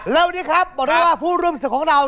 และวันนี้ครับบอกได้เลยว่าผู้รุ่นศึกของเรา